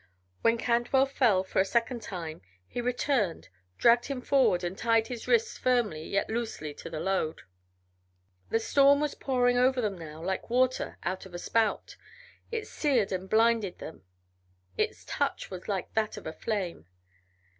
When Cantwell fell, for a second time, he returned, dragged him forward, and tied his wrists firmly, yet loosely, to the load. The storm was pouring over them now, like water out of a spout; it seared and blinded them; its touch was like that of a flame.